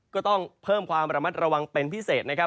ก็ต้องเพิ่มความระมัดระวังเป็นพิเศษนะครับ